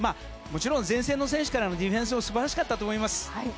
もちろん前線の選手からのディフェンスも素晴らしかったと思います。